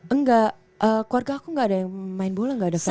enggak keluarga aku gak ada yang main bola gak ada fans bola